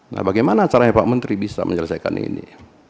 nah bagaimana caranya pak menteri bisa menyelesaikan ini